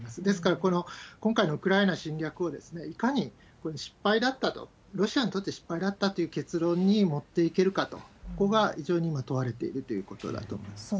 ですから、今回のウクライナ侵略をいかに失敗だったと、ロシアにとって失敗だったという結論に持っていけるかと、ここが非常に問われているということだと思います。